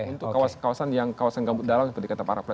untuk kawasan kawasan gambut dalam seperti kata para presiden